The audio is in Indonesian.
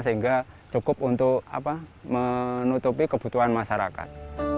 sehingga cukup untuk menutupi kebutuhan masyarakat